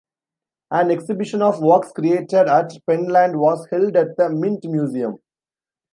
An exhibition of works created at Penland was held at the Mint Museum.